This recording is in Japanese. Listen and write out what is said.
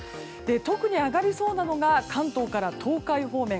特に上がりそうなのが関東から東海方面。